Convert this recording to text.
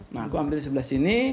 nah aku hampir di sebelah sini